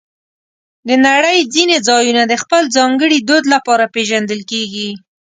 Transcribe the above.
د نړۍ ځینې ځایونه د خپل ځانګړي دود لپاره پېژندل کېږي.